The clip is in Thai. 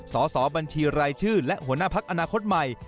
สอบบัญชีรายชื่อและหัวหน้าพักอนาคตใหม่